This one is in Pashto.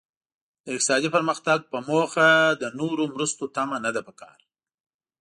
د اقتصادي پرمختګ په موخه د نورو مرستو تمه نده پکار.